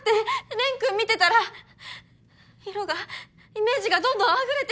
蓮君見てたら色がイメージがどんどんあふれてきて。